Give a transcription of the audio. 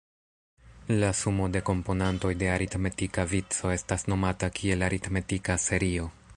La sumo de komponantoj de aritmetika vico estas nomata kiel aritmetika serio.